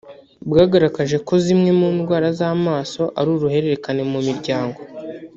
bwagaragaje ko zimwe mu ndwara z’amaso ari uruhererekane mu miryango